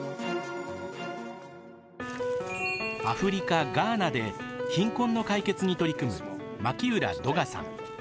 アフリカ・ガーナで貧困の解決に取り組む牧浦土雅さん。